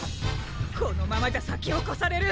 このままじゃさきをこされる！